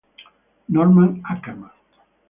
Norman Ackermann